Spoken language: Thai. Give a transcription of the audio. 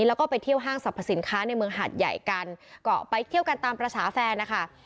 แล้วก็ไปเที่ยวห้างสรรพสินค้าในเมืองหาดใหญ่กันก็ไปเที่ยวกันตามภาษาแฟนนะคะ